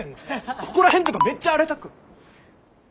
ここら辺とかめっちゃ荒れた。